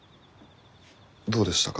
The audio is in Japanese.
どうでしたか？